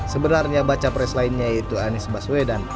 sebenarnya baca pres lainnya yaitu anies baswedan